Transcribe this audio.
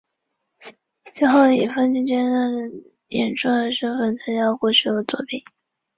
从此她走上了职业网球运动员的道路。